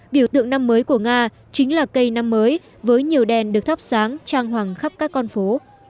biểu tượng năm mới của nga chính là cây năm mới với nhiều đèn được thắp sáng trang hoàng khắp các con phố